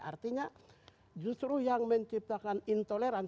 artinya justru yang menciptakan intoleran